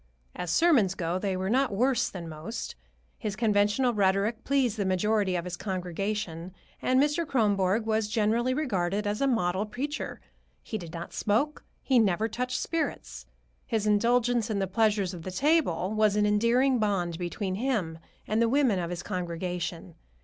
As sermons go, they were not worse than most. His conventional rhetoric pleased the majority of his congregation, and Mr. Kronborg was generally regarded as a model preacher. He did not smoke, he never touched spirits. His indulgence in the pleasures of the table was an endearing bond between him and the women of his congregation.